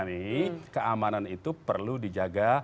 nah ini keamanan itu perlu dijaga